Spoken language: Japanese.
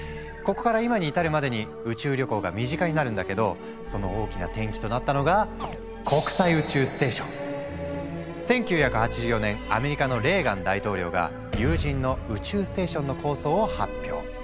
ここから今に至るまでに宇宙旅行が身近になるんだけどその大きな転機となったのが１９８４年アメリカのレーガン大統領が有人の宇宙ステーションの構想を発表。